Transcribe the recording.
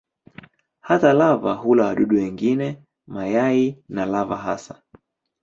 Hata lava hula wadudu wengine, mayai na lava hasa.